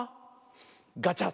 ガチャ。